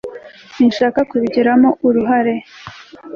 sinshaka kubigiramo uruhare